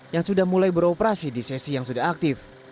yang sudah mulai beroperasi di sesi yang sudah aktif